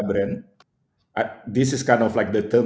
ini adalah terma yang dipakai oleh ceo airbnb